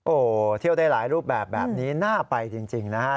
โอ้โหเที่ยวได้หลายรูปแบบแบบนี้น่าไปจริงนะฮะ